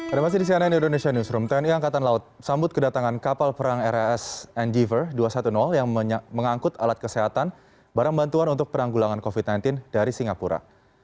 ada masih di cnn indonesia newsroom tni angkatan laut sambut kedatangan kapal perang ras endeever dua ratus sepuluh yang mengangkut alat kesehatan barang bantuan untuk penanggulangan covid sembilan belas dari singapura